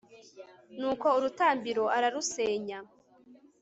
nuko urutambiro ararusenya